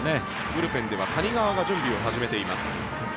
ブルペンでは谷川が準備を始めています。